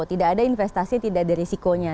tidak ada investasi yang tidak ada resikonya